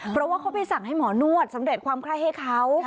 เพราะว่าเขาไปสั่งให้หมอนวดสำเร็จความไข้ให้เขา